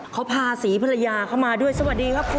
เขาพาศรีภรรยาเข้ามาด้วยสวัสดีครับคุณ